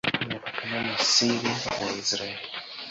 Imepakana na Syria na Israel.